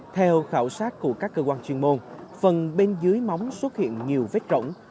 theo khảo sát của các cơ quan chuyên môn phần bên dưới móng xuất hiện nhiều vết rỗng